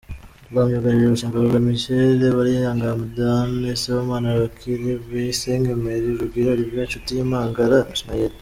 Ba myugariro: Rusheshangoga Michel, Bariyanga Hamdan, Sibomana Bakari, Bayisenge Emery, Rugwiro Herve, Nshutiyamagara Ismael.